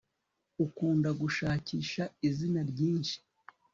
ukunda gushakisha izina ryinshi